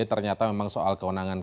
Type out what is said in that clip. ternyata memang soal kewenangan